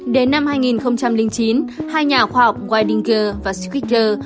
đến năm hai nghìn chín hai nhà khoa học weidinger và schwitzer